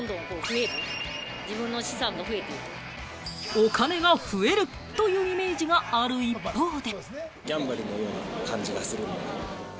お金が増えるというイメージがある一方で。